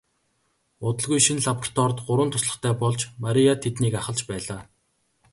Удалгүй шинэ лабораторид гурван туслахтай болж Мария тэднийг ахалж байлаа.